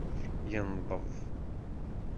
Yenḍeb.